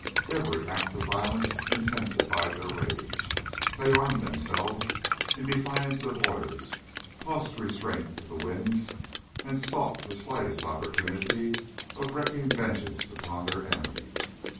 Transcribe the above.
Every act of violence intensified their rage. They armed themselves, in defiance of orders, tossed restraint to the winds, and sought the slightest opportunity of wreaking vengeance upon their enemies.